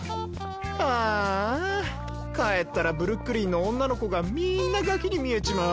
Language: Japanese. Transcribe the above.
ああ帰ったらブルックリンの女の子がみんなガキに見えちまう。